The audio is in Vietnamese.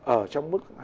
ở trong mức